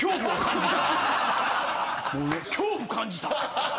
恐怖感じたって。